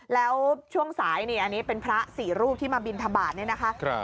แล้วช่วงสายนี่อันนี้เป็นพระ๔รูปที่มาบินทบาทนี่นะคะ